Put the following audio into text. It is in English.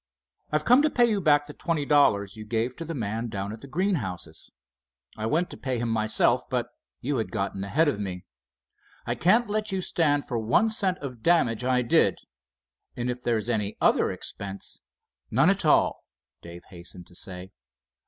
I've come to pay you back the twenty dollars you gave to the man down at the greenhouses. I went to pay him myself, but you had gotten ahead of me. I can't let you stand for one cent of damage I did, and if there's any other expense——" "None at all," Dave hastened to say.